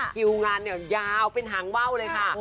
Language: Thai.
คิวงานเนี่ยยาวเป็นหางว่าวเลยค่ะ